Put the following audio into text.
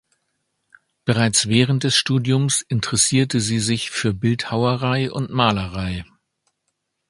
Bereits während des Studiums interessierte sie sich für Bildhauerei und Malerei.